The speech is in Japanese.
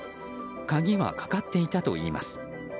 鍵はかかっていたといいます。